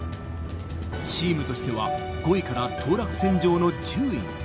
チームとしては、５位から当落線上の１０位に。